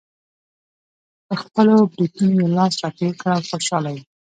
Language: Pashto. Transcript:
پر خپلو برېتونو یې لاس راتېر کړ او خوشحاله و.